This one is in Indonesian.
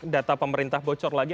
data pemerintah bocor lagi